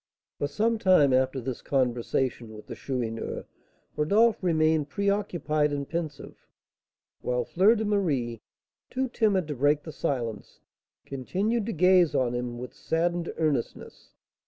For some time after this conversation with the Chourineur, Rodolph remained preoccupied and pensive, while Fleur de Marie, too timid to break the silence, continued to gaze on him with saddened earnestness.